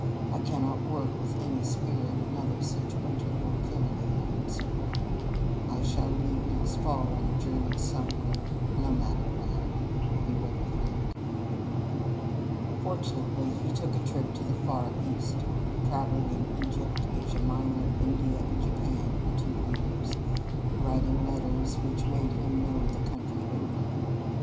I cannot work with any spirit: another such winter will kill me, I am certain. I shall leave next fall on a journey somewhere no matter where," he wrote a friend. Fortunately he took a trip to the Far East, travelling in Egypt, Asia Minor, India, and Japan for two years, writing letters which made him known the country over.